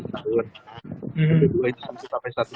begitu itu sampai satu tahun